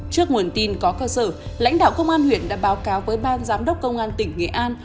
trước nguồn tin có cơ sở lãnh đạo công an huyện đã báo cáo với ban giám đốc công an tỉnh nghệ an